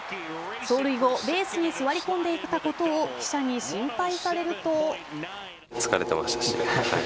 走塁後ベースに座り込んでいたことを記者に心配されると。